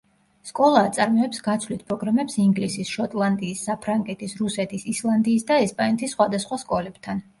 სკოლა აწარმოებს გაცვლით პროგრამებს ინგლისის, შოტლანდიის, საფრანგეთის, რუსეთის, ისლანდიის და ესპანეთის სხვადასხვა სკოლებთან.